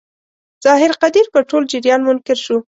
ظاهر قدیر پر ټول جریان منکر شو.